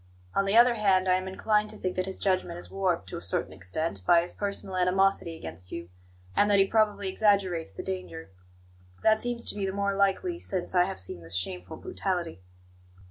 On the other hand, I am inclined to think that his judgment is warped, to a certain extent, by his personal animosity against you, and that he probably exaggerates the danger. That seems to me the more likely since I have seen this shameful brutality."